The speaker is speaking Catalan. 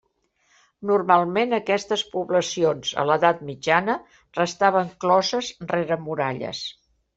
Normalment aquestes poblacions, a l'edat mitjana, restaven closes rere muralles.